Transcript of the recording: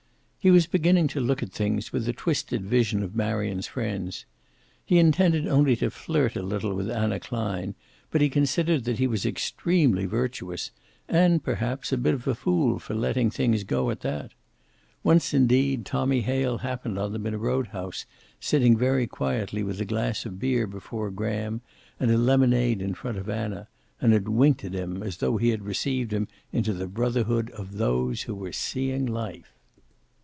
He was beginning to look at things with the twisted vision of Marion's friends. He intended only to flirt a little with Anna Klein, but he considered that he was extremely virtuous and, perhaps, a bit of a fool for letting things go at that. Once, indeed, Tommy Hale happened on them in a road house, sitting very quietly with a glass of beer before Graham and a lemonade in front of Anna, and had winked at him as though he had received him into the brotherhood of those who were seeing life.